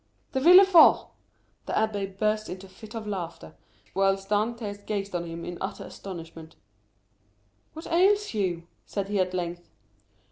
"De Villefort!" The abbé burst into a fit of laughter, while Dantès gazed on him in utter astonishment. "What ails you?" said he at length.